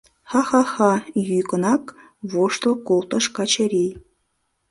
— Ха-ха-ха! — йӱкынак воштыл колтыш Качырий.